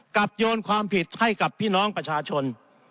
โยนความผิดให้กับพี่น้องประชาชน